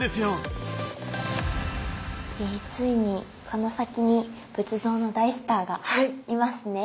ついにこの先に仏像の大スターがいますね。